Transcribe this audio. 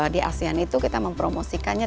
di asean itu kita mempromosikannya